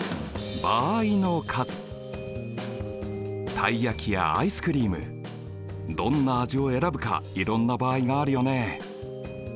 たい焼きやアイスクリームどんな味を選ぶかいろんな場合があるよね。